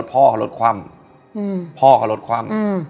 พ่อเขารดคว้ำ